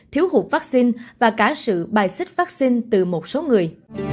thiếu hụt vắc xin và cả sự bài xích vắc xin từ một số người